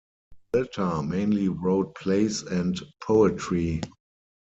Welter mainly wrote plays and poetry.